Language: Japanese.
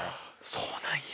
そうなんや。